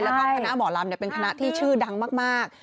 แล้วก็คณะหมอลำเป็นคณะที่ชื่อดังมาก